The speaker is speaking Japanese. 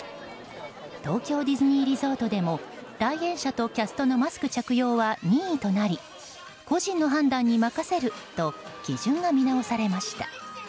東京ディズニーリゾートでも来園者とキャストのマスク着用は任意となり個人の判断に任せると基準が見直されました。